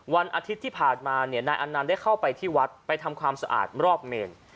วันอาทิตย์ที่ผ่านมาเนี่ยนายอันนั้นได้เข้าไปที่วัดไปทำความสะอาดรอบเมน